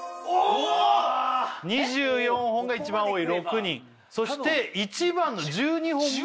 ２４本が一番多い６人そして１番の１２本も３